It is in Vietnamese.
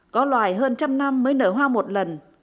có loài hơn trăm năm mới nở hoa một lần